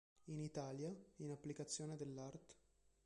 In Italia, in applicazione dell'art.